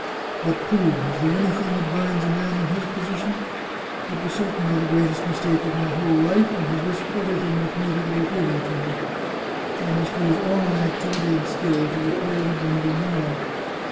But pooh ! is there anything that binds a man in his position ? It was certainly the greatest mistake of my whole life, and has risked everything which made it worth living to me. I must use all my activity and skill to repair the blunder now.